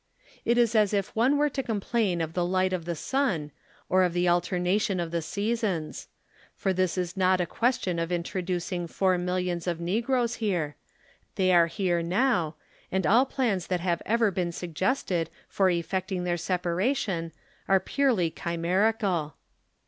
It is as if one were to complain of the light of the sun, or of the alternation of the seasons. For this is not a question of introducing four millions of negroes here; they are here now, and all plans that have ever been sug gested for effecting their separation are pureh' chimerical.